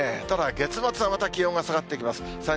ただ、月末はまた気温が下がってきます。